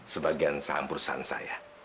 sebagian saham perusahaan saya